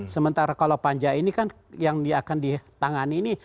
sementara kalau panja ini kan yang akan ditangani ini